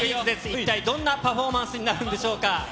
一体どんなパフォーマンスになるんでしょうか。